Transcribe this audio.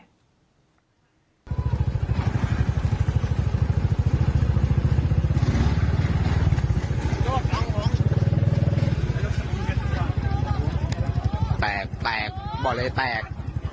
แตกแตกบอกเลยแตก